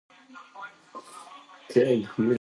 چنګلونه د افغانستان د ټولنې لپاره بنسټيز رول لري.